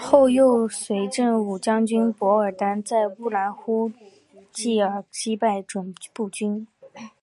后又随振武将军傅尔丹在乌兰呼济尔击败准部军。